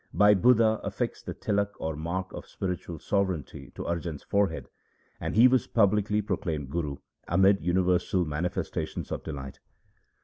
Bhai Budha affixed the tilak or mark of spiritual sovereignty to Arjan's forehead, and he was publicly proclaimed Guru amid universal mani festations of delight.